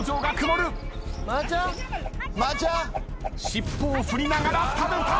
尻尾を振りながら食べた。